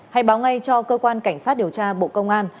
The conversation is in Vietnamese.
hãy báo ngay cho cơ quan cảnh sát điều tra bộ công an